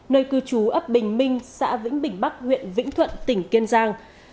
nơi cư trú ấp bình minh xã vĩnh bình bắc huyện vĩnh thuận tỉnh kiên giang